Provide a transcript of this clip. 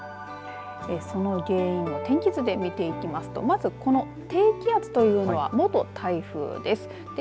その原因を天気図で見ていきますとまずこの低気圧というのは元台風です。